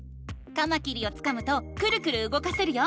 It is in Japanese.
カマキリをつかむとクルクルうごかせるよ。